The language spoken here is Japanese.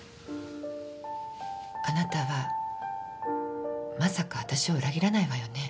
あなたはまさか私を裏切らないわよね？